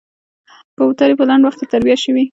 کوترې په لنډ وخت کې تربيه شوې.